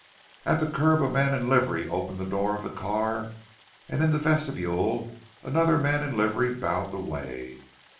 At the curb a man in livery opened the door of the car, and in the vestibule another man in livery bowed the way.